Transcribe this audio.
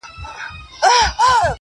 زه چي ګورمه موږ هم یو ځان وهلي.!